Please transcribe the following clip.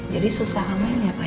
jadi susah amin ya pak ya